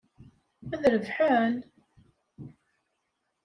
Ad rebḥen?